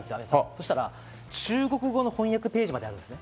そしたら中国語の翻訳ページまであるんです。